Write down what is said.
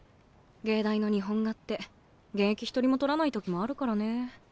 藝大の日本画って現役１人も取らないときもあるからね。